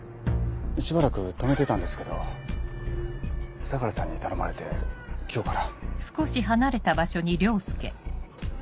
しばらく止めてたんですけど相良さんに頼まれて今日から。